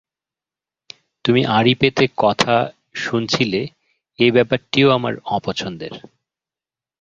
তুমি আড়ি পেতে কথা শুনছিলে এ ব্যাপারটিও আমার অপছন্দের।